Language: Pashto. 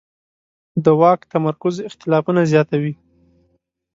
د واک تمرکز اختلافونه زیاتوي